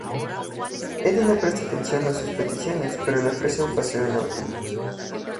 Eddy no presta atención a sus peticiones, pero le ofrece un paseo en auto.